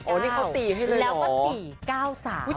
โอ้นี่เขาตีให้เลยเหรอแล้วก็๔๙๓